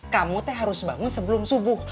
kamu tuh harus bangun sebelum subuh